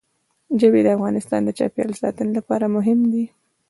ژبې د افغانستان د چاپیریال ساتنې لپاره مهم دي.